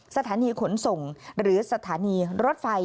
สถานีขนส่งหรือสถานีรถไฟ